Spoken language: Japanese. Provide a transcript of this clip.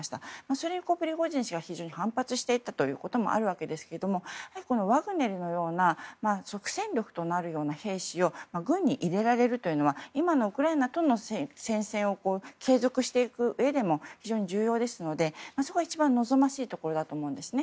それをプリゴジン氏が非常に反発していたこともあるわけですがワグネルのような即戦力となるような兵士を軍に入れられるというのは今のウクライナとの戦線を継続していくうえでも非常に重要ですのでそこが一番望ましいところだと思うんですね。